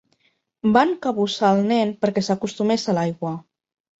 Van cabussar el nen perquè s'acostumés a l'aigua.